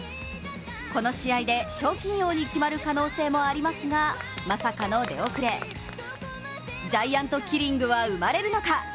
この試合で賞金王の決まる可能性もありますがまさかの出遅れ、ジャイアントキリングは生まれるのか？